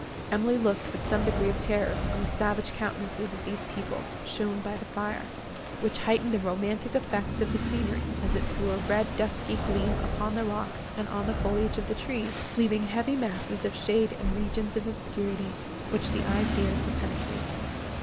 Emily looked with some degree of terror on the savage countenances of these people, shown by the fire, which heightened the romantic effects of the scenery, as it threw a red dusky gleam upon the rocks and on the foliage of the trees, leaving heavy masses of shade and regions of obscurity, which the eye feared to penetrate.